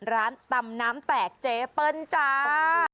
ตำน้ำแตกเจเปิ้ลจ้า